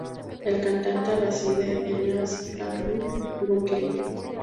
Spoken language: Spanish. El cantante reside en East Flatbush, Brooklyn.